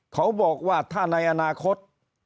เขาบอกว่าถ้าในอนาคต